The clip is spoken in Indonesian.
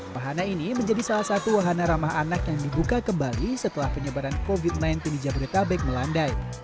wahana ini menjadi salah satu wahana ramah anak yang dibuka kembali setelah penyebaran covid sembilan belas di jabodetabek melandai